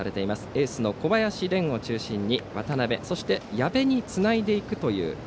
エースの小林廉を中心に、渡辺そして矢部につないでいくという。